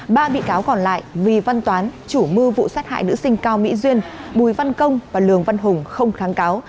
ba bị cáo còn lại vì văn toán chủ mưu vụ sát hại nữ sinh cao mỹ duyên bùi văn công và lường văn hùng không kháng cáo